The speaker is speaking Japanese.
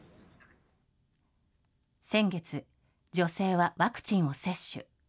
先月、女性はワクチンを接種。